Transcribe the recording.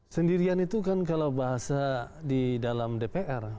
sendirian itu kan kalau bahasa di dalam dpr